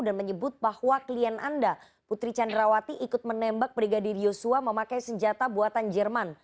dan menyebut bahwa klien anda putri candrawati ikut menembak brigadir yosua memakai senjata buatan jerman